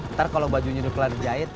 ntar kalau bajunya udah kelar jahit